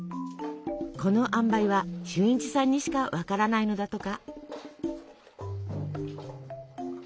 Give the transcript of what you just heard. このあんばいは俊一さんにしか分からないのだとか。